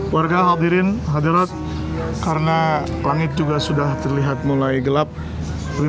warga hadirin hadirat karena langit juga sudah terlihat mulai gelap